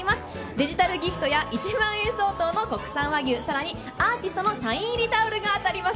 デジタルギフトや１万円相当の国産和牛、さらにアーティストのサイン入りタオルが当たります。